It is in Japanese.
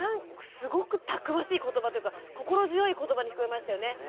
すごくたくましい言葉というか心強い言葉に聞こえましたよね。